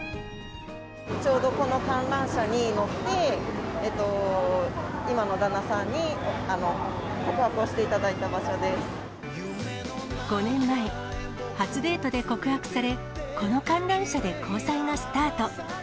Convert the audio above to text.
ちょうどこの観覧車に乗って、今の旦那さんに、５年前、初デートで告白され、この観覧車で交際がスタート。